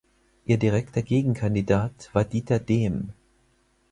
Ihr direkter Gegenkandidat war Diether Dehm.